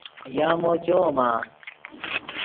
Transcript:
یامو چویمآ؟